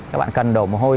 các bạn cần đổ mồ hôi